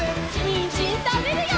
にんじんたべるよ！